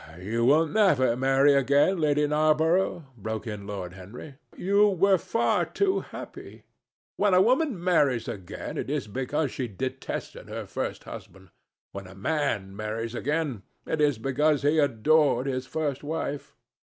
"You will never marry again, Lady Narborough," broke in Lord Henry. "You were far too happy. When a woman marries again, it is because she detested her first husband. When a man marries again, it is because he adored his first wife.